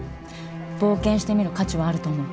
冒険してみる価値はあると思う。